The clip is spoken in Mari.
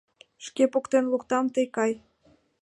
Шке поктен луктам, тый кай!